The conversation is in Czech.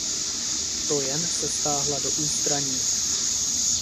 Toyen se stáhla do ústraní.